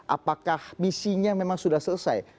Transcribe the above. apakah misinya memang sudah selesai